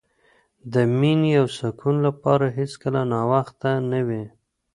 د مینې او سکون لپاره هېڅکله ناوخته نه وي.